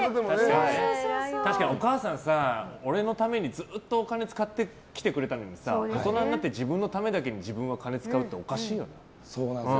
お母さん、俺のためにずっとお金使ってきてくれたのに大人になって自分のためだけに自分は金使うっておかしいよね。